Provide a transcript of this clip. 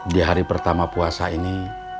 di hari pertama puasa ini